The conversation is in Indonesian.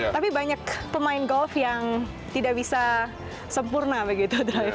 tapi banyak pemain golf yang tidak bisa sempurna begitu